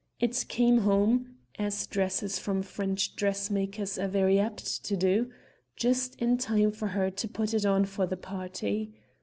It came home, as dresses from French dressmakers are very apt to do, just in time for her to put it on for the party.